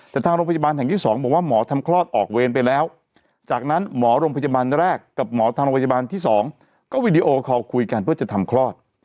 แต่ทางโรงพยาบาลแห่งที่๒บอกว่าหมอทำคลอดออกเวรไปแล้วจากนั้นหมอโรงพยาบาลแรกกับหมอทางโรงพยาบาลที่๒ก็วีดีโอคอลคุยกันเพื่อจะทำคลอด